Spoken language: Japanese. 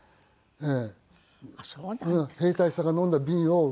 ええ。